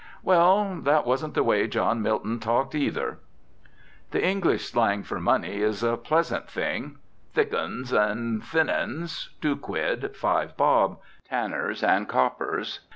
Well, that wasn't the way John Milton talked, either. The English slang for money is a pleasant thing: thick'uns and thin'uns; two quid, five bob; tanners and coppers.